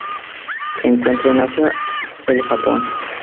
Se encuentran en Asia: el Japón